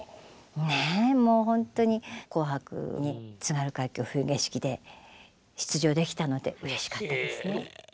ねえもうほんとに「紅白」に「津軽海峡・冬景色」で出場できたのでうれしかったですね。